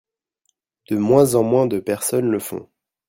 De moins en moins de personnes le font.